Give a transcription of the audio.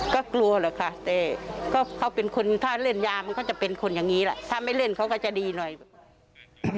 ก็กลัวแหละค่ะแต่ก็เขาเป็นคนถ้าเล่นยามันก็จะเป็นคนอย่างนี้แหละถ้าไม่เล่นเขาก็จะดีหน่อย